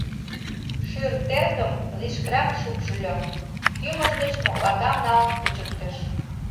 Шӱр теркым лишкырак шупшыльо, кӱмыж гыч моклакам налын кучыктыш.